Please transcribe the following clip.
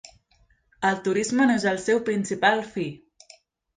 El turisme no és el seu principal fi.